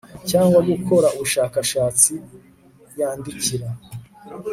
cyangwa gukora ubushakashatsi yandikira